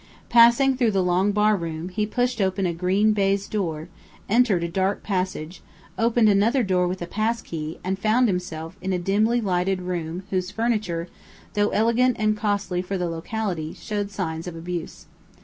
Passing through the long barroom, he pushed open a green baize door, entered a dark passage, opened another door with a passkey, and found himself in a dimly lighted room whose furniture, though elegant and costly for the locality, showed signs of abuse.